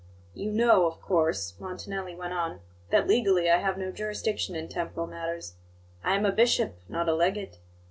"You know, of course," Montanelli went on, "that legally I have no jurisdiction in temporal matters; I am a bishop, not a legate.